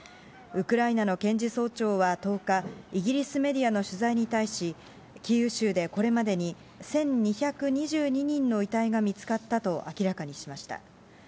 ウクライナの検事総長は１０日、イギリスメディアの取材に対し、キーウ州でこれまでに、１２２２人の遺体が見つかったと明らかにしました。